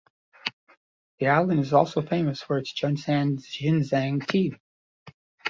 The island is also famous for its Junshan Yinzhen tea.